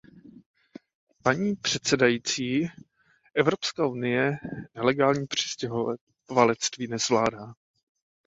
Paní předsedající, Evropská unie nelegální přistěhovalectví nezvládá.